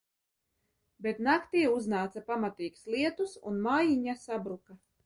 Bet naktī uznāca pamatīgs lietus un mājiņa sabruka.